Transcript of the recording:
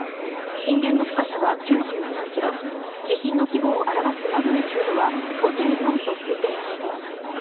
震源の深さは９３ｋｍ地震の規模を示すマグニチュードは５．４と推定されています。